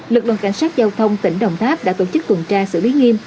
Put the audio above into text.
lực lượng cảnh sát giao thông tỉnh đồng tháp đã tổ chức tuần tra xử lý nghiêm